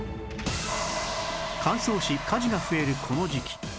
乾燥し火事が増えるこの時期